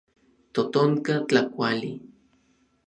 Totonka tlakuali.